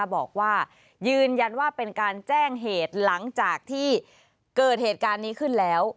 บอกว่ายืนยันว่าเป็นการแจ้งเหตุหลังจากที่เกิดเหตุการณ์นี้ขึ้นแล้ว